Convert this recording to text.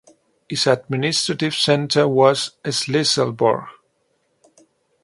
Its administrative centre was Shlisselburg.